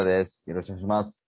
よろしくお願いします。